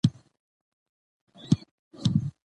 مېلې د ټولنې له پاره د روحیې لوړولو یوه وسیله ده.